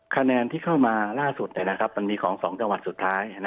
คะแนนที่เข้ามาล่าสุดมันมีของ๒จังหวัดสุดท้าย